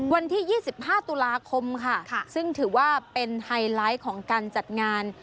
วันที่๒๕ตุลาคมค่ะซึ่งถือว่าเป็นไฮไลท์ของการจัดงาน